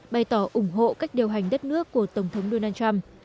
bày tỏ ủng hộ cách điều hành đất nước của tổng thống donald trump